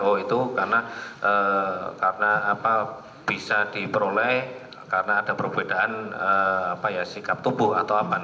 oh itu karena bisa diperoleh karena ada perbedaan sikap tubuh atau apa namanya